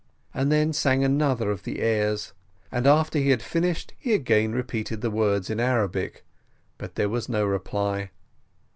He then sang another of the airs, and after he had finished he again repeated the words in Arabic; but there was no reply.